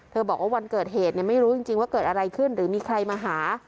บอกว่าวันเกิดเหตุไม่รู้จริงว่าเกิดอะไรขึ้นหรือมีใครมาหา